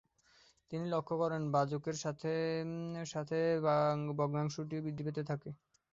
তিনি লক্ষ্য করেন ভাজকের সাথে সাথে ভগ্নাংশটিও বৃদ্ধি পেতে থাকে।